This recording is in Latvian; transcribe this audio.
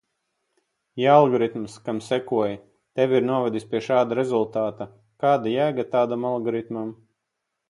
Ja algoritms, kam sekoji, tevi ir novedis pie šāda rezultāta, kāda jēga tādam algoritmam?